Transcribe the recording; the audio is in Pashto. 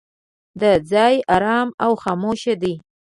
دا ځای ارام او خاموش دی.